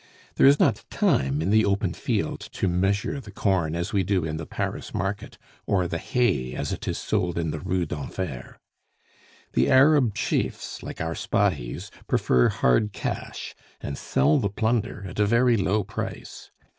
There is not time in the open field to measure the corn as we do in the Paris market, or the hay as it is sold in the Rue d'Enfer. The Arab chiefs, like our Spahis, prefer hard cash, and sell the plunder at a very low price.